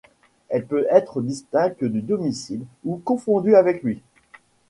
Elle peut être distincte du domicile ou confondue avec lui.